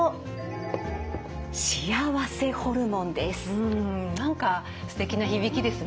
うん何かすてきな響きですね。